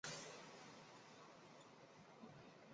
贬为川州刺史。